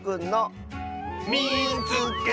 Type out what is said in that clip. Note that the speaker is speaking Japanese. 「みいつけた！」。